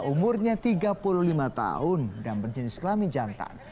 umurnya tiga puluh lima tahun dan berjenis kelamin jantan